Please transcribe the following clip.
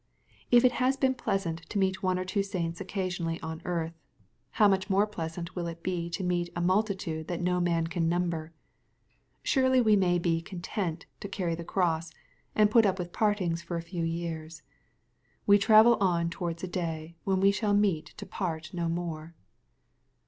If it has been pleasant to meet one or two saints occasionally on earth, how much more plesant will it be to meet a " multitude that no man can number 1" Surely we may be content to carry the cross, and put up with partings for a few years. We travel on towards a day, when we shall meet to part no more.